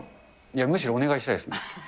むしろお願いしたいですね。